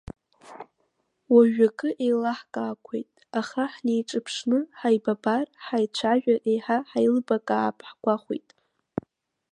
Уажәы акы еилаҳкаақәеит, аха, ҳнеиҿаԥшны ҳаибабар, ҳаицәажәар, еиҳа ҳаилибакаап ҳгәахәит.